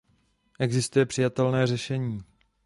Existuje přijatelné řešení.